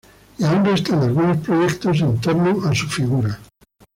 Y aún restan algunos proyectos en torno a su figura.